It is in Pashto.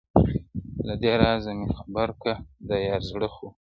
له دې رازه مي خبر که دیار زړه خو,